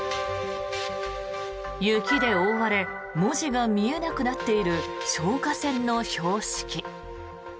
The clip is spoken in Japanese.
雪で覆われ文字が見えなくなっている消火栓の標識。